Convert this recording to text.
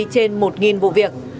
trên một vụ việc